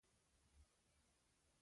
ماشومانو ته مینه ورکړه.